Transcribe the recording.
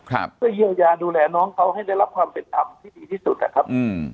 ก็เยียวยาดูแลน้องเขาให้ได้รับความเป็นธรรมที่ดีที่สุดครับ